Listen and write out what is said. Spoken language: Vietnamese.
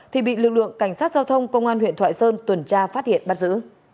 thì bị lực lượng cảnh sát giao thông công an huyện thoại sơn tuần tra phát hiện bắt giữ